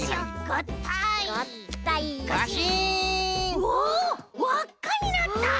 うわわっかになった！